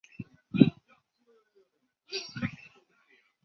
台风大潮时常会淹没岛的大部分。